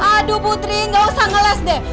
aduh putri gak usah ngeles deh